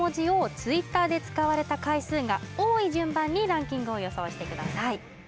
Ｔｗｉｔｔｅｒで使われた回数が多い順番にランキングを予想してください